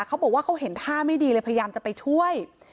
เขาบอกว่าเขาเห็นท่าไม่ดีเลยพยายามจะไปช่วย